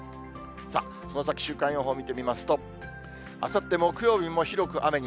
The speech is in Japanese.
さあ、その先、週間予報見てみますと、あさって木曜日も広く雨に